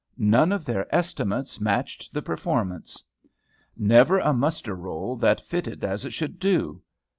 None of their estimates matched the performance! Never a muster roll that fitted as it should do!